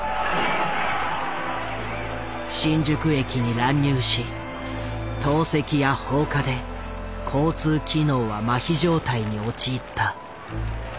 新宿駅に乱入し投石や放火で交通機能はマヒ状態に陥った。